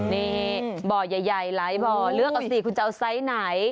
นี่บ่อใหญ่หลายบ่อเลือกเอาสิคุณจะเอาไซส์ไหน